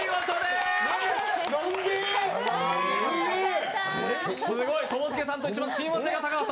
すげえ！